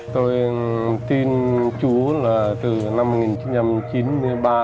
tôi tin chú là từ năm một nghìn chín trăm chín mươi ba